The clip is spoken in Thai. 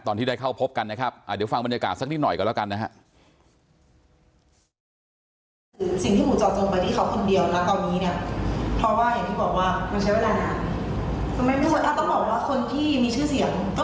ที่ได้เข้าพบกันนะครับเดี๋ยวฟังบรรยากาศสักนิดหน่อยกันแล้วกันนะฮะ